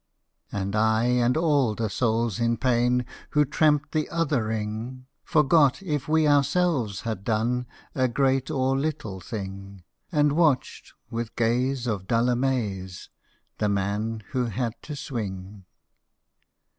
And I and all the souls in pain, Who tramped the other ring, Forgot if we ourselves had done A great or little thing, And watched with gaze of dull amaze The man who had to swing.